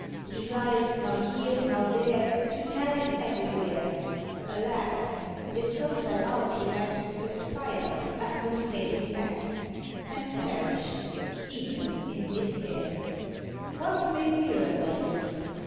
He flies now here, now there, To tell it everywhere. Alas! it so fell out he met A spider's ambuscaded net, And perished, eaten in mid air. What may we learn by this?